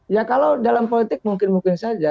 ya kalau dalam politik mungkin mungkin saja